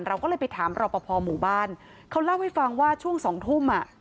เราก็เลยไปถามรอปภหมู่บ้านเขาเล่าให้ฟังว่าช่วงสองทุ่มอ่ะ